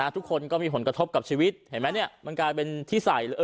ทุกคนก็มีผลกระทบกับชีวิตเห็นไหมมันกลายเป็นที่ใส่